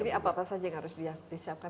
jadi apa apa saja yang harus disiapkan